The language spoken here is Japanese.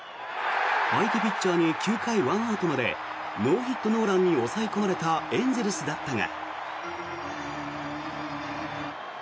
相手ピッチャーに９回１アウトまでノーヒット・ノーランに抑え込まれたエンゼルスだったが。